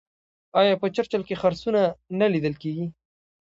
آیا په چرچیل کې خرسونه نه لیدل کیږي؟